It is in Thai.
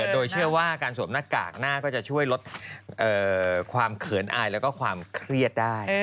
โดยเชื่อว่าการสวมหน้ากากหน้าก็จะช่วยลดความเขินอายแล้วก็ความเครียดได้